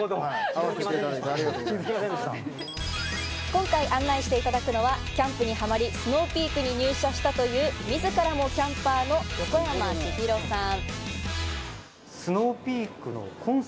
今回案内していただくのはキャンプにはまり、ＳｎｏｗＰｅａｋに入社したという、自らもキャンパーの横山千尋さん。